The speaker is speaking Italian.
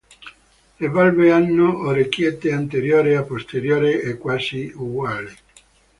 Le valve hanno orecchiette anteriore e posteriore quasi uguali.